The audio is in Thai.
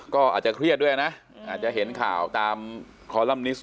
ก็อาจจะเครียดด้วยนะอาจจะเห็นข่าวตามคอลัมนิสต